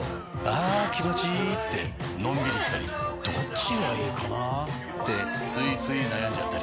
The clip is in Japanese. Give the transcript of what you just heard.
あ気持ちいいってのんびりしたりどっちがいいかなってついつい悩んじゃったり。